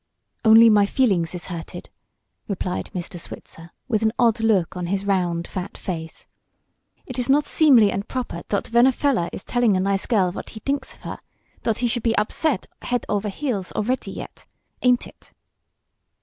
"Only my feelings iss hurted!" replied Mr. Switzer, with an odd look on his round, fat face. "It iss not seemly und proper dot ven a feller is telling a nice girl vot he dinks of her, dot he should be upset head ofer heels alretty yet; ain't it?"